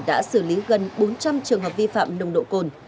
đã xử lý gần bốn trăm linh trường hợp vi phạm nồng độ cồn